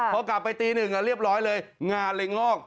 พอกลับไปตีหนึ่งเรียบร้อยเลยงานเล็งงอก